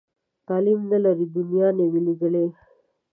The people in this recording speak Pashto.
تعلیم نه لري، دنیا نه وي لیدلې.